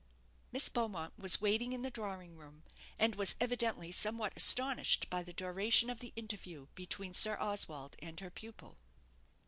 Miss Beaumont was waiting in the drawing room, and was evidently somewhat astonished by the duration of the interview between Sir Oswald and her pupil.